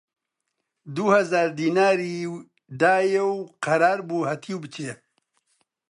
دوو هەزار دیناری دایە و قەرار بوو هەتیو بچێ